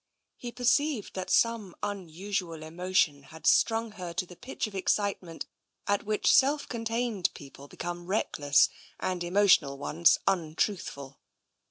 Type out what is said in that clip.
He perceived that some unusual emotion had strung her to the pitch of excitement at which self contained people become reckless, and emotional ones untruthful.